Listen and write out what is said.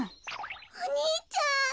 お兄ちゃん。